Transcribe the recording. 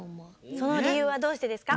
そのりゆうはどうしてですか？